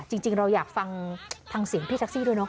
จริงเราอยากฟังทางเสียงพี่แท็กซี่ด้วยเนาะ